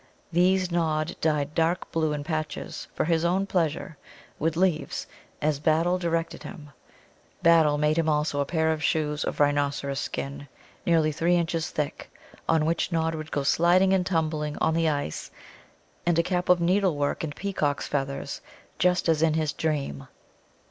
These Nod dyed dark blue in patches, for his own pleasure, with leaves, as Battle directed him. Battle made him also a pair of shoes of rhinoceros skin, nearly three inches thick, on which Nod would go sliding and tumbling on the ice, and a cap of needlework and peacocks' feathers, just as in his dream.